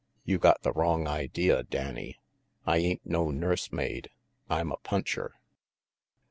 You got the wrong idea, Danny. I ain't no nurse maid. I'm a puncher."